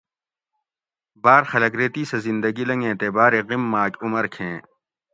باۤر خلک ریتی سہۤ زندہ گی لنگیں تے باۤر ئ غیم ماۤک عمر کھیں